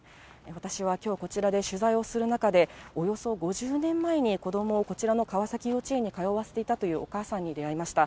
私はきょう、こちらで取材をする中で、およそ５０年前に子どもをこちらの川崎幼稚園に通わせていたというお母さんに出会いました。